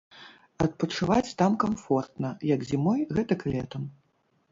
Адпачываць там камфортна, як зімой, гэтак і летам.